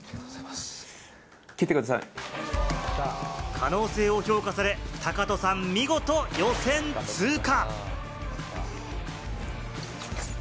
可能性を評価され、天翔さん、見事、予選通過！